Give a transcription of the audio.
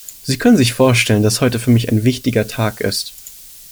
Sie können sich vorstellen, dass heute für mich ein wichtiger Tag ist.